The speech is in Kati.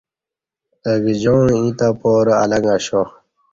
اہ گجاعں ییں تو پارہ النگ اَشا